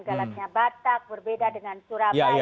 galatnya batak berbeda dengan surabaya